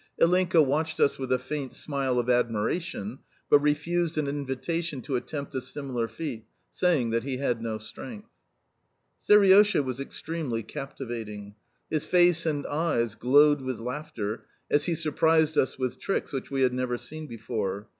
Ilinka watched us with a faint smile of admiration, but refused an invitation to attempt a similar feat, saying that he had no strength. Seriosha was extremely captivating. His face and eyes glowed with laughter as he surprised us with tricks which we had never seen before.